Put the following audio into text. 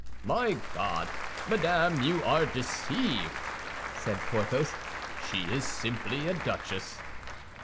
"My God! Madame, you are deceived," said Porthos; "she is simply a duchess."